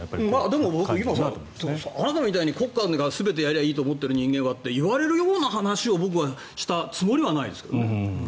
でも僕、あなたみたいに国家が全てやればいいって思ってる人間がっていわれるような話を僕はしたつもりはないですけどね。